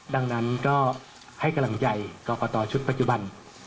ดังนั้นก็ให้กำลังใจกรกตชุดปัจจุบัน